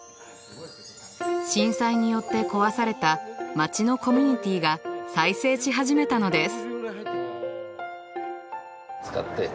震災によって壊された町のコミュニティが再生し始めたのです。